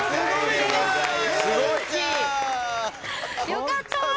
よかった！